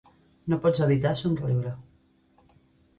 No pots evitar somriure.